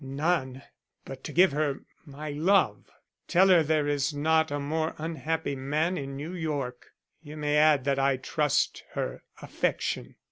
"None but to give her my love. Tell her there is not a more unhappy man in New York; you may add that I trust her affection."